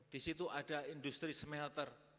di situ ada industri smelter